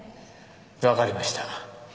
分かりました